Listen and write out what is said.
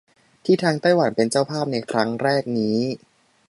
ที่ทางไต้หวันเป็นเจ้าภาพในครั้งแรกนี้